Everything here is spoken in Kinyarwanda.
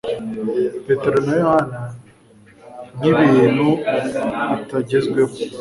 Petero na Yohana nkibintu bitagezweho